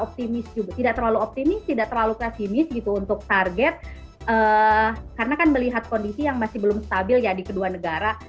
kita tidak terlalu optimis untuk target karena kan melihat kondisi yang masih belum stabil di kedua negara